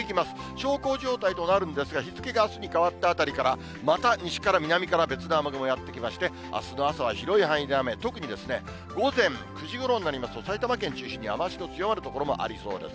小康状態となるんですが、日付があすに変わったあたりから、また西から、南から、別の雨雲やって来まして、あすの朝は広い範囲で雨、特に午前９時ごろになりますと、埼玉県中心に雨足の強まる所もありそうです。